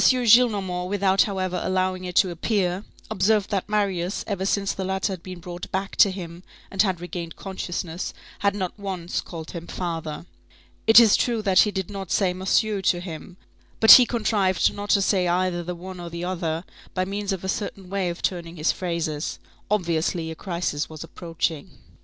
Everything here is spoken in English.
Gillenormand, without however allowing it to appear, observed that Marius, ever since the latter had been brought back to him and had regained consciousness, had not once called him father. It is true that he did not say "monsieur" to him; but he contrived not to say either the one or the other, by means of a certain way of turning his phrases. Obviously, a crisis was approaching.